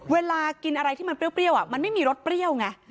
เวลากินอะไรที่มันเปรี้ยวมันไม่มีรสเปรี้ยวไง